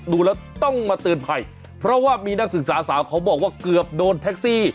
ดูแล้วต้องมาเตือนภัยเพราะว่ามีนักศึกษาสาวเขาบอกว่าเกือบโดนแท็กซี่